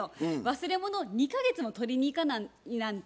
忘れ物を２か月も取りに行かないなんて